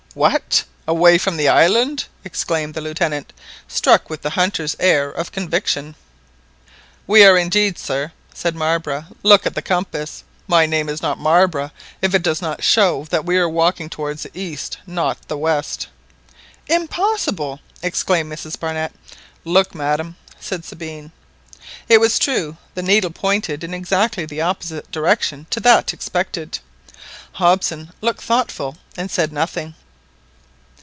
"What, away from the island!" exclaimed the Lieutenant, struck with the hunter's air of conviction. "We are indeed, sir," said Marbre; "look at the compass; my name is not Marbre if it does not show that we are walking towards the east not the west!" "Impossible!" exclaimed Mrs Barnett. "Look, madam," said Sabine. It was true. The needle pointed in exactly the opposite direction to that expected. Hobson looked thoughtful and said nothing.